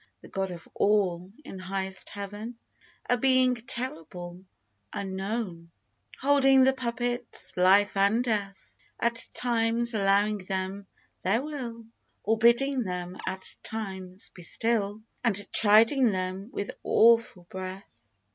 The God of All, in highest Heaven, A Being terrible — ^unknown — Holding the puppets, Life and Death, At times allowing them their will, Or bidding them, at times, be still, And chiding them, with awful breath